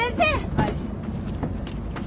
はい。